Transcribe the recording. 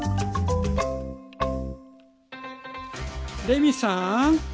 レミさん